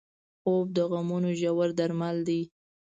خوب د غمونو ژور درمل دی